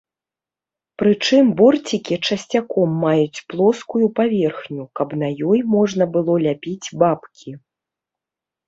Прычым, борцікі часцяком маюць плоскую паверхню, каб на ёй можна было ляпіць бабкі.